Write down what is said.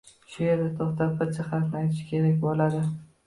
Shu yerda to‘xtab, bir jihatni aytish kerak bo‘ladi